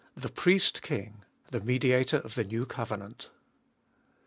THE PRIEST KING, THE MEDIATOR OP THE NEW COVENANT.